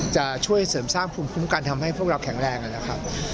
จะช่วยเสริมสร้างภูมิคุ้มกันทำให้พวกเราแข็งแรงนะครับ